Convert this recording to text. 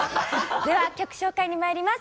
では曲紹介にまいります。